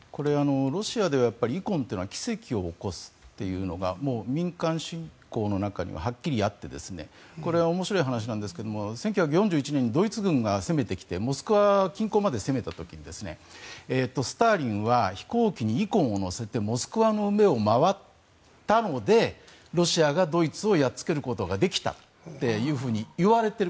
ロシアではイコンというのは奇跡を起こすというのがもう民間信仰の中にははっきりあってこれは面白い話なんですが１９４１年にドイツ軍が攻めてきてモスクワ近郊まで攻めてきた時にスターリンは飛行機にイコンを載せてモスクワの上を回ったのでロシアがドイツをやっつけることができたといわれている。